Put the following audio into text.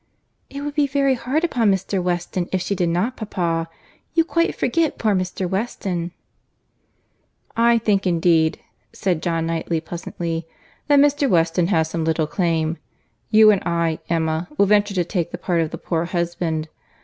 "It would be very hard upon Mr. Weston if she did not, papa.—You quite forget poor Mr. Weston." "I think, indeed," said John Knightley pleasantly, "that Mr. Weston has some little claim. You and I, Emma, will venture to take the part of the poor husband.